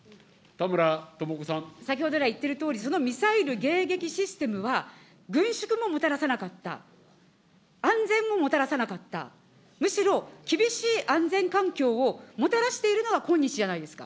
先ほど来、言っているとおり、そのミサイル迎撃システムは、軍縮ももたらさなかった、安全ももたらさなかった、むしろ厳しい安全環境をもたらしているのが今日じゃないですか。